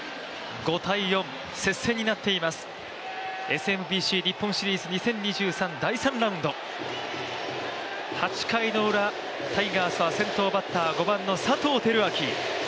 ＳＭＢＣ日本シリーズ２０２３第３ラウンド８回のウラ、タイガースは先頭バッター、５番の佐藤輝明。